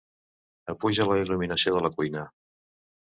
Apuja la il·luminació de la cuina.